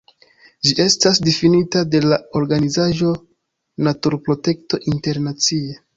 Ĝi estas difinita de la organizaĵo Naturprotekto Internacie.